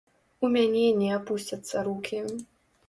У мяне не апусцяцца рукі.